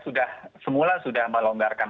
sudah semula melonggarkan